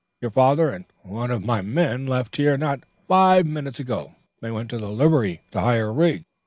Your father and one of my men left here not five minutes ago. They went to the livery to hire a rig."